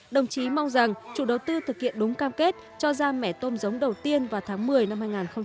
đồng chí mong rằng chủ đầu tư thực hiện đúng cam kết cho ra mẻ tôm giống đầu tiên vào tháng một mươi năm hai nghìn một mươi chín